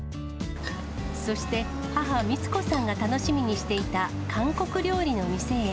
そして、母、美津子さんが楽しみにしていた韓国料理の店へ。